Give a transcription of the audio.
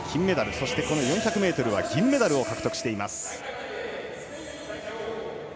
そして４００ｍは銀メダルを獲得しています。